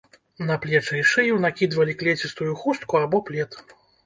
На плечы і шыю накідвалі клецістую хустку або плед.